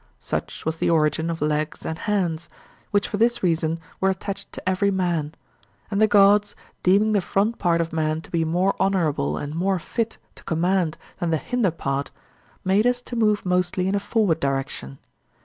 Such was the origin of legs and hands, which for this reason were attached to every man; and the gods, deeming the front part of man to be more honourable and more fit to command than the hinder part, made us to move mostly in a forward direction.